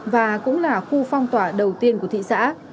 và cũng là khu phong tỏa đầu tiên của thị xã